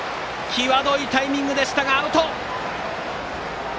際どいタイミングでしたがアウト！